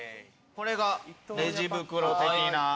これがレジ袋的な。